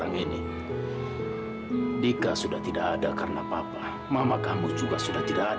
gua mau ke rumah